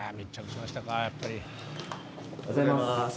おはようございます。